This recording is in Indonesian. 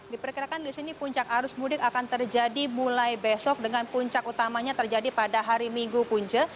diperkirakan di sini puncak arus mudik akan terjadi mulai besok dengan puncak utamanya terjadi pada hari minggu punce